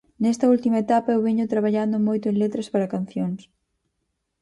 Nesta última etapa eu veño traballando moito en letras para cancións.